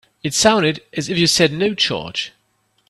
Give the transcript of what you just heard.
It sounded as if you said no charge.